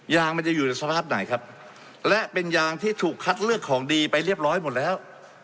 ยางมันจะอยู่ในสภาพไหนครับและเป็นยางที่ถูกคัดเลือกของดีไปเรียบร้อยหมดแล้ว